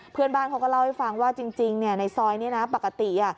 เพื่อนบ้านเขาก็เล่าให้ฟังว่าจริงในซอยนี้นะปกติ